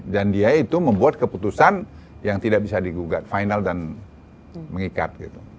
dan dia itu membuat keputusan yang tidak bisa digugat final dan mengikat